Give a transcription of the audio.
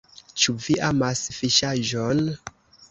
Ĉu vi amas fiŝaĵon?